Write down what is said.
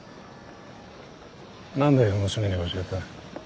何で娘に教えた。